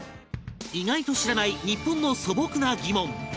意外と知らない日本の素朴な疑問